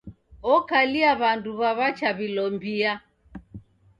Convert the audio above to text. Okalia w'andu waw'achaw'ilombia.